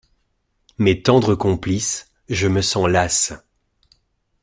Mes tendres complices, je me sens lasse.